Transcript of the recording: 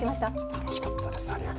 楽しかったです。